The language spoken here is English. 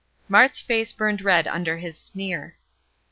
Mart's face burned red under his sneer.